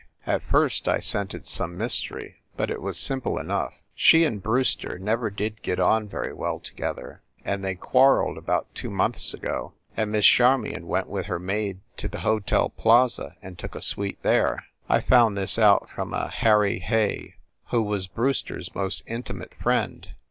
At first I scented some mystery, but it was simple enough. She and Brewster never did get on very well together, and they quarreled about two months ago, and Miss Charmion went with her maid to the Hotel Plaza and took a suite there. I found this out from a Harry Hay, who was Brewster s most intimate friend.